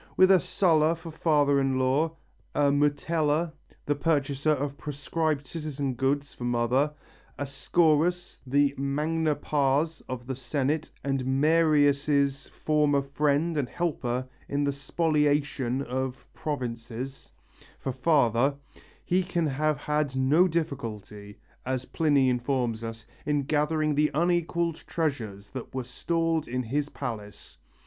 With a Sulla for father in law, a Metella, the purchaser of proscribed citizens' goods, for mother, a Scaurus, the magna pars of the Senate and Marius' former friend and helper in the spoliation of provinces, for father, he can have had no difficulty, as Pliny informs us, in gathering the unequalled treasures that were stored in his palace.